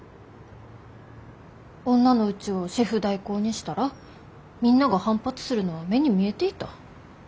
女のうちをシェフ代行にしたらみんなが反発するのは目に見えていた。